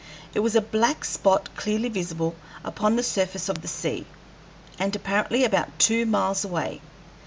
It was a black spot clearly visible upon the surface of the sea, and apparently about two miles away.